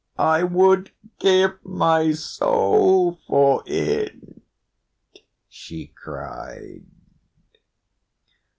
"I would give my soul for it," she cried.